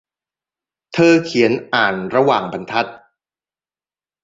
เธอเขียนอ่านระหว่างบรรทัด !